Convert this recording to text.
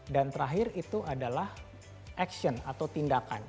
dan terakhir itu adalah action atau tindakan